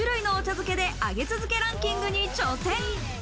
漬けで上げ続けランキングに挑戦。